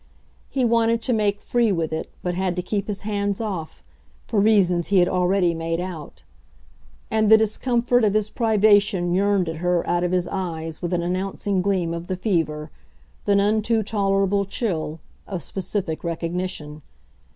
He wanted to make free with it, but had to keep his hands off for reasons he had already made out; and the discomfort of his privation yearned at her out of his eyes with an announcing gleam of the fever, the none too tolerable chill, of specific recognition.